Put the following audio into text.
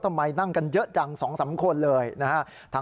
นั่งกันเยอะจัง๒๓คนเลยนะฮะ